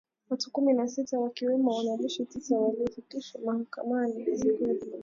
Watu kumi na sita wakiwemo wanajeshi tisa walifikishwa mahakamani siku ya Jumatatu nchini Jamhuri ya Kidemokrasi ya Kongo.